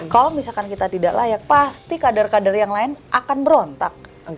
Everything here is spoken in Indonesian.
kalau misalkan kita tidak layak pasti kader kader yang lain akan berontak